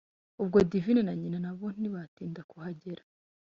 ubwo divine na nyina nabo ntibatinda kuhagera,